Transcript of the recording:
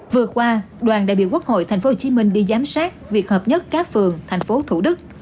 vừa qua đoàn đại biểu quốc hội tp hcm đi giám sát việc hợp nhất các phường thành phố thủ đức